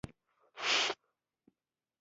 لوگر د افغانستان د طبیعي پدیدو یو رنګ دی.